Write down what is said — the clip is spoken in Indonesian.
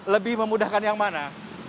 lebih memudahkan yang mana